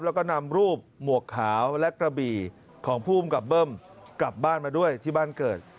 แล้วก็นำรูปหมวกขาวและกระบี่ของภูมิกับเบิ้มกลับบ้านมาด้วยที่บ้านเกิด